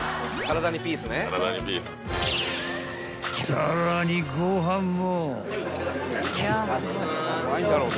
［さらにご飯も］